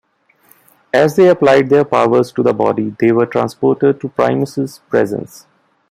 As they applied their powers to the body, they were transported to Primus' presence.